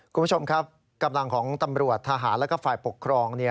คุณผู้ชมครับกำลังของตำรวจทหารและฝ่ายปกครอง